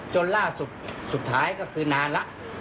จนล่าสุดสุดท้ายก็คือนานแล้ว